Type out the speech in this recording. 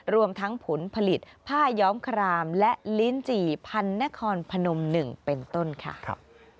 รวมทั้งผลผลิตผ้าย้อมครามและลิ้นจี่พันนครพนม๑เป็นต้นค่ะ